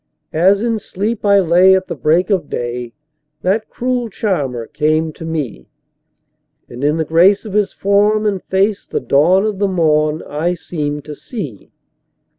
As in sleep I lay at the break of day that cruel charmer came to me, And in the grace of his form and face the dawn of the morn I seemed to see.